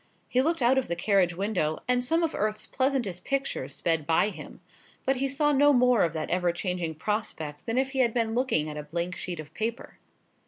He looked out of the carriage window, and some of earth's pleasantest pictures sped by him; but he saw no more of that ever changing prospect than if he had been looking at a blank sheet of paper.